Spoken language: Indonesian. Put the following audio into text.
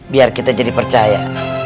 biar kita jadi percaya